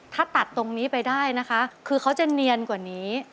ถ้าตัดตรงนี้ไปได้นะคะคือเขาจะเนียนกว่านี้